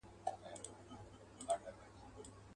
د حرم مېرمني نه وې گلدستې وې.